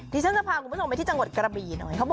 ที่ฉันจะพาผมมาส่งไปที่จังหวัดกระบี่หน่อย